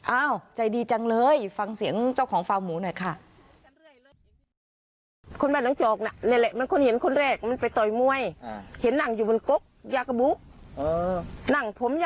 ใจดีจังเลยฟังเสียงเจ้าของฟาร์มหมูหน่อยค่ะ